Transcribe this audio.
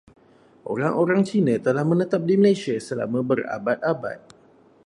Orang-orang Cina telah menetap di Malaysia selama berabad-abad.